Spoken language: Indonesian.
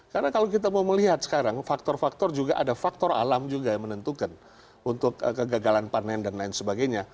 karena kalau kita mau melihat sekarang faktor faktor juga ada faktor alam juga yang menentukan untuk kegagalan panen dan lain sebagainya